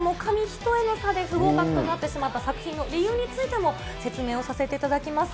ここでですね、惜しくも紙一重の差で不合格となってしまった作品の理由についても説明をさせていただきます。